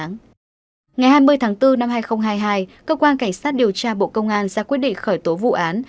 ngày hai mươi tháng bốn năm hai nghìn hai mươi hai cơ quan cảnh sát điều tra bộ công an ra quyết định khởi tố vụ án